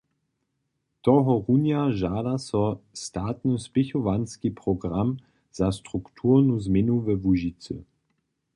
Tohorunja žada so statny spěchowanski program za strukturnu změnu we Łužicy.